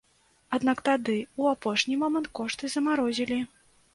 Аднак тады ў апошні момант кошты замарозілі.